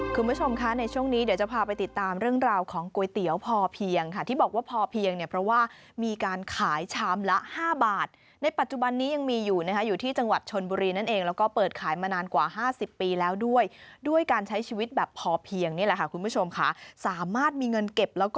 คุณผู้ชมคะในช่วงนี้เดี๋ยวจะพาไปติดตามเรื่องราวของก๋วยเตี๋ยวพอเพียงค่ะที่บอกว่าพอเพียงเนี่ยเพราะว่ามีการขายชามละห้าบาทในปัจจุบันนี้ยังมีอยู่นะคะอยู่ที่จังหวัดชนบุรีนั่นเองแล้วก็เปิดขายมานานกว่า๕๐ปีแล้วด้วยด้วยการใช้ชีวิตแบบพอเพียงนี่แหละค่ะคุณผู้ชมค่ะสามารถมีเงินเก็บแล้วก็